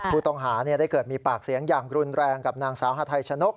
ผู้ต้องหาได้เกิดมีปากเสียงอย่างรุนแรงกับนางสาวฮาไทชนก